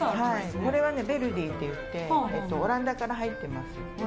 これはベルディっていってオランダから入ってます。